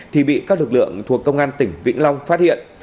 thì bị các lực lượng thuộc công an tỉnh vĩnh long phát hiện